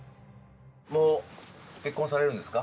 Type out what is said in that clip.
もう結婚されるんですか？